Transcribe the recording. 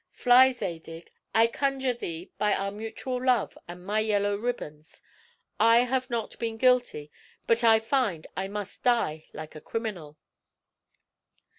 Fly, Zadig, I conjure thee by our mutual love and my yellow ribbons. I have not been guilty, but I find I must die like a criminal."